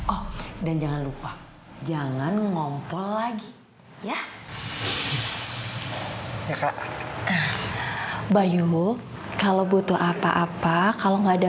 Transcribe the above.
oh dan jangan lupa jangan ngompor lagi ya ya kak bayu kalau butuh apa apa kalau nggak ada